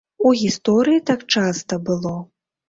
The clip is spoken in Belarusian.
У гісторыі так часта было.